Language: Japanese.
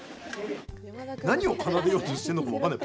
何を奏でようとしてるのかも分からない